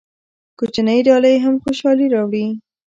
کوچنۍ ډالۍ هم خوشحالي راوړي.